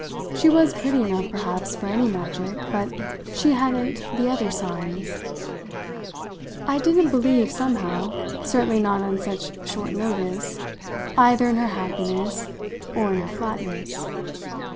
She was pretty enough perhaps for any magic, but she hadn't the other signs. I didn't believe, somehow certainly not on such short notice either in her happiness or in her flatness.